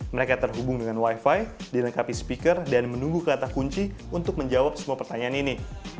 mereka terhubung dengan wifi dilengkapi speaker dan menunggu kata kunci untuk menjawab semua pertanyaan ini